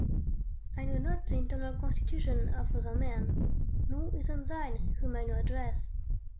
I know not the internal constitution of other men, nor even thine, whom I now address.